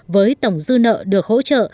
với tổng dư nợ được hỗ trợ